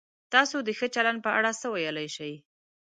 تاسو د ښه چلند په اړه څه ویلای شئ؟